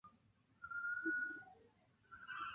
将不讳其嫌者乎？